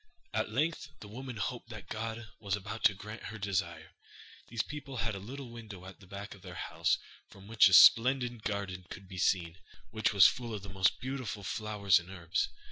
At length the woman hoped that God was about to grant her desire. These people had a little window at the back of their house from which a splendid garden could be seen, which was full of the most beautiful flowers and herbs.